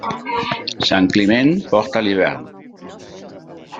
Sant Climent porta l'hivern.